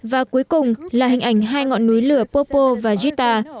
và cuối cùng là hình ảnh hai ngọn núi lửa popo và gita